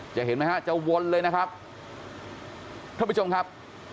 เห็นไหมฮะจะวนเลยนะครับท่านผู้ชมครับ